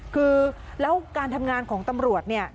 คือแล้วการทำงานของตำรวจเนี่ย